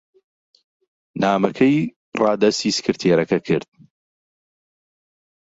نامەکەی ڕادەستی سکرتێرەکە کرد.